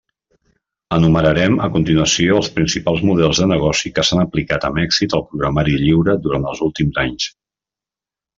Enumerarem a continuació els principals models de negoci que s'han aplicat amb èxit al programari lliure durant els últims anys.